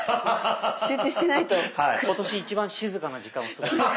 今年一番静かな時間を過ごしました。